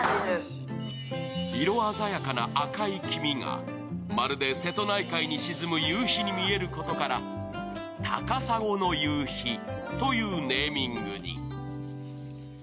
色鮮やかな赤い黄身がまるで瀬戸内海に沈む夕日に見えることから高砂の夕日というネーミングに。